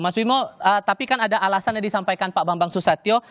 mas bimo tapi kan ada alasan yang disampaikan pak bambang susatyo